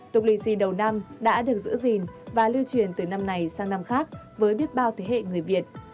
tog lì xì đầu năm đã được giữ gìn và lưu truyền từ năm này sang năm khác với biết bao thế hệ người việt